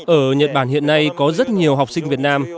ở nhật bản hiện nay có rất nhiều học sinh việt nam